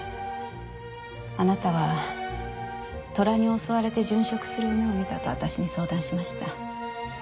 あなたは虎に襲われて殉職する夢を見たと私に相談しました。